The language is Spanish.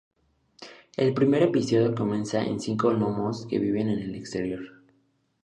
El primer episodio comienza con cinco nomos que viven en el exterior.